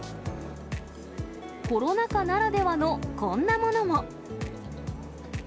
コロナ禍ならではのこんなものも。